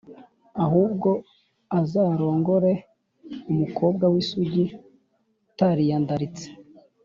Ahubwo azarongore umukobwa w’ isugi utariyandaritse